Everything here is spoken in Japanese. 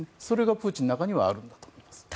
それがプーチンの中にはあるんだと思います。